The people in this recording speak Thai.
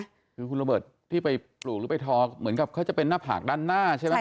เหมือนกับคือคุณระเบิดที่ไปปลูกหรือไปทอเขาจะเป็นหน้าผากด้านหน้าใช่ไหม